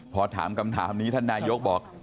พอถามคำถามนี้ท่านนายกบอก